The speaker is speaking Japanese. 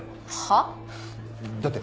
はっ？